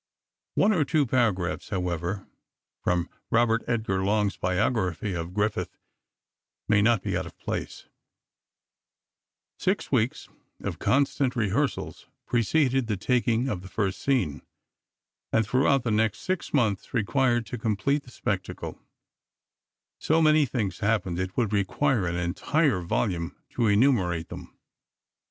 One or two paragraphs, however, from Robert Edgar Long's biography of Griffith, may not be out of place: Six weeks of constant rehearsals preceded the taking of the first scene, and throughout the next six months required to complete the spectacle, so many things happened it would require an entire volume to enumerate them.